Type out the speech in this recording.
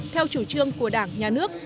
theo chủ trương của đảng nhà nước